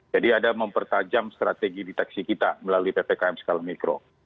jadi ada mempertajam strategi deteksi kita melalui ppkm skala mikro